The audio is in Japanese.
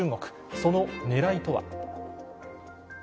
そのねらいとは。